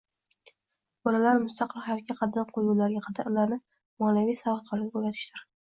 bolalar mustaqil hayotga qadam qo‘ygunlariga qadar ularni moliyaviy savodxonlikka o‘rgatishdir.